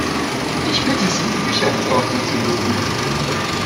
Ich bitte Sie, die Geschäftsordnung zu lesen.